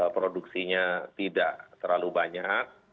produksinya tidak terlalu banyak